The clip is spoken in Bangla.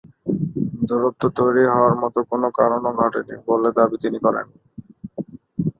দূরত্ব তৈরি হওয়ার মতো কোনো কারণও ঘটেনি বলে তিনি দাবি করেন।